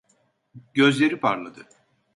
Gözleri parladı.